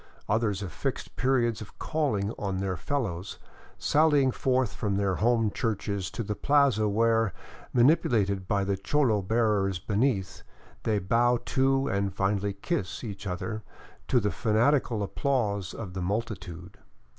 Others have fixed periods of calling on their fellows, sallying forth from their home churches to the plaza where, manipu lated by the cholo bearers beneath, they bow to and finally " kiss " each other, to the fanatical applause of the multitude.